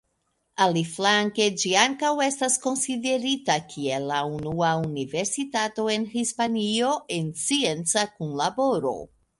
Aliflanke, ĝi ankaŭ estas konsiderita kiel la unua universitato en Hispanio en scienca kunlaboro.